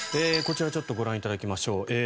こちらをちょっとご覧いただきましょう。